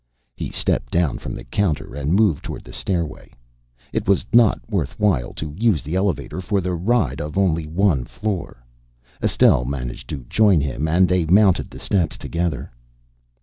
He stepped down from the counter and moved toward the stairway. It was not worth while to use the elevator for the ride of only one floor. Estelle managed to join him, and they mounted the steps together.